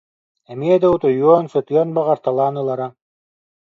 Эмиэ да утуйуон, сытыан баҕарталаан ылара